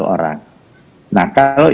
satu orang nah kalau